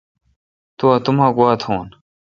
تو اتوما گوا تھون۔